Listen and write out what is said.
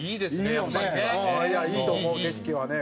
いいと思う景色はね